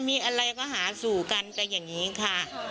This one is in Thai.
มีอะไรก็หาสู่กันก็อย่างนี้ค่ะ